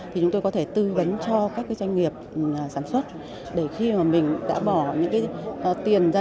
thì chúng tôi có thể tư vấn cho các cái doanh nghiệp sản xuất để khi mà mình đã bỏ những cái tiền ra